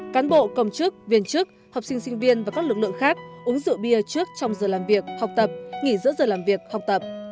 cán bộ công chức viên chức học sinh sinh viên và các lực lượng khác uống rượu bia trước trong giờ làm việc học tập nghỉ giữa giờ làm việc học tập